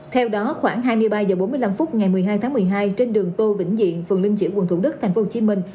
theo đó khoảng hai mươi ba h bốn mươi năm phút ngày một mươi hai tháng một mươi hai trên đường tô vĩnh diện phường linh chiểu quận thủ đức thành phố hồ chí minh